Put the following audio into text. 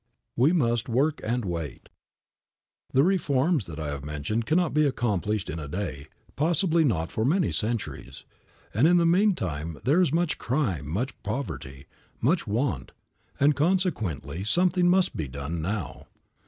VIII. WE MUST WORK AND WAIT. THE reforms that I have mentioned cannot be accomplished in a day, possibly not for many centuries; and in the meantime there is much crime, much poverty, much want, and consequently something must be done now.